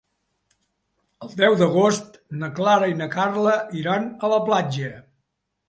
El deu d'agost na Clara i na Carla iran a la platja.